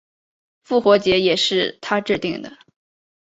复活节也是他制定的。